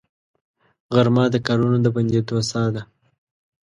غرمه د کارونو د بندېدو ساه ده